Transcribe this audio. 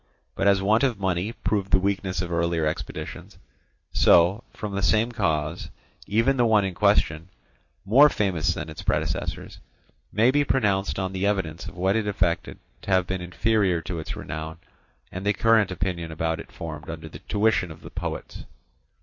But as want of money proved the weakness of earlier expeditions, so from the same cause even the one in question, more famous than its predecessors, may be pronounced on the evidence of what it effected to have been inferior to its renown and to the current opinion about it formed under the tuition of the poets.